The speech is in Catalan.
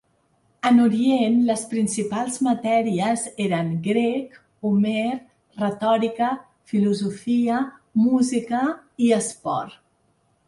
En orient, les principals matèries eren Grec, Homer, Retòrica, Filosofia, Música i Esport.